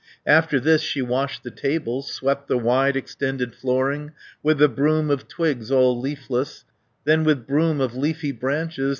After this she washed the tables, Swept the wide extended flooring, 150 With the broom of twigs all leafless, Then with broom of leafy branches.